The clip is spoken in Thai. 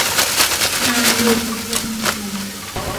นามยง เทอร์มินัล